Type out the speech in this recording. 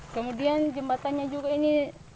kemudian jembatannya juga ini